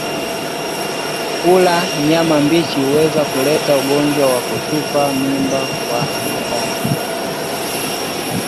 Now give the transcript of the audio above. Kula nyama mbichi huweza kuleta ugonjwa wa kutupa mimba kwa binadamu